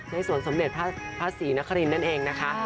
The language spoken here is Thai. สวนสมเด็จพระศรีนครินนั่นเองนะคะ